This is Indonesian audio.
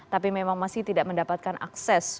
tapi memang masih tidak mendapatkan akses